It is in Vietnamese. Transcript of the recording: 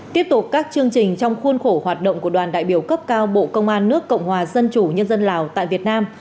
tiếp tục các chương trình trong khuôn khổ hoạt động của đoàn đại biểu cấp cao bộ công an nước cộng hòa dân chủ nhân dân lào tại việt nam